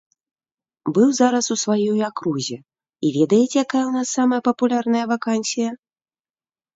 Быў зараз у сваёй акрузе, і ведаеце, якая ў нас самая папулярная вакансія?